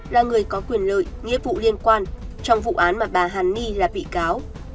là người có quyền lợi nghĩa vụ liên quan trong vụ án mà bà hàn ni là bị cáo